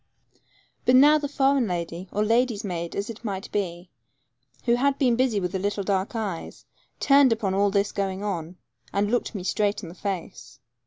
But now the foreign lady, or lady's maid, as it might be, who had been busy with little dark eyes, turned upon all this going on, and looked me straight in the face.